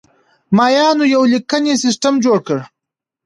مایانو یو لیکنی سیستم جوړ کړ